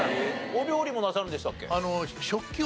お料理もなさるんでしたっけ？